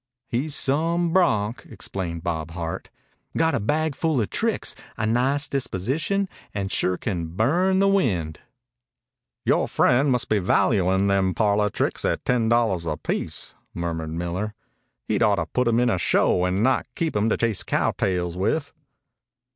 "He's some bronc," explained Bob Hart. "Got a bagful of tricks, a nice disposition, and sure can burn the wind." "Yore friend must be valuin' them parlor tricks at ten dollars apiece," murmured Miller. "He'd ought to put him in a show and not keep him to chase cow tails with."